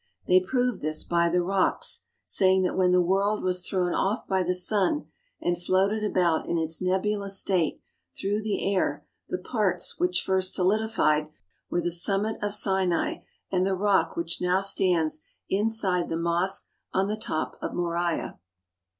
They prove this by the rocks, saying that when the world was thrown off by the sun and floated about in its nebulous state through the air the parts which first solidified were the summit of Sinai and the rock which now stands inside the mosque on the top of Moriah.